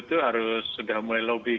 itu harus sudah mulai lobby